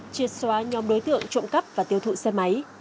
triệt xóa nhóm đối tượng trộm cắp và tiêu thụ xe máy